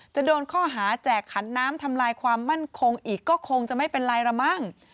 จะโดนข้อหาแจกขันน้ำทำลายความมั่นคงอีกก็คงจะไม่เป็นไรละมั้ง